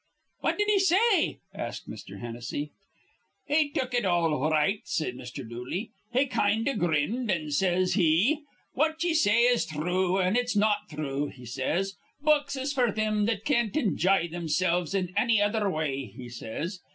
'" "What did he say?" asked Mr. Hennessy. "He took it all r right," said Mr. Dooley. "He kind o' grinned, an' says he: 'What ye say is thrue, an' it's not thrue,' he says. 'Books is f'r thim that can't injye thimsilves in anny other way,' he says.